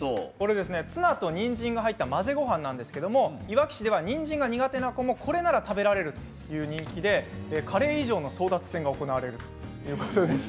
ツナとにんじんが入った混ぜごはんなんですがいわき市ではにんじんが苦手な子もこれなら食べられるという人気でカレー以上の争奪戦が行われるということでした。